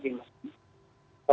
terima kasih pak